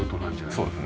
そうですね。